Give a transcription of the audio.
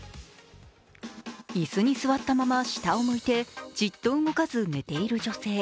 椅子に座ったまま下を向いてじっと動かず寝ている女性。